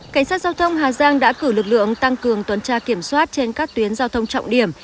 cảnh sát giao thông hà giang đã cử lực lượng tăng cường tuần tra kiểm soát trên các tuyến giao thông trọng điểm